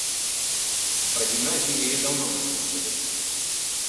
З прагімназіі яе даўно выключылі.